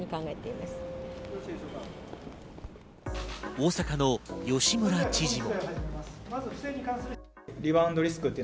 大阪の吉村知事も。